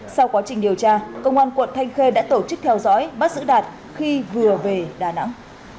sau quá trình điều tra công an quận thanh khê đã tổ chức theo dõi bắt giữ đạt khi vừa về đà nẵng